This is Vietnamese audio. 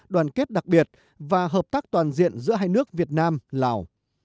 đoàn kết đặc biệt và hợp tác toàn diện giữa hai nước việt nam lào